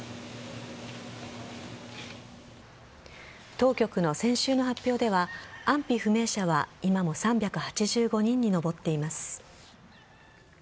当局の先週の発表では安否不明者は今も３８５人に上っています。